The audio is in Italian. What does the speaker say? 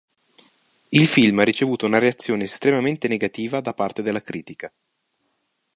Il film ha ricevuto una reazione estremamente negativa da parte della critica.